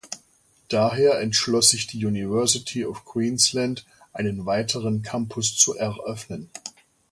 Daher entschloss sich die University of Queensland einen weiteren Campus zu eröffnen.